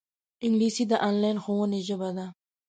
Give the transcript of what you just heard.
انګلیسي د انلاین ښوونې ژبه ده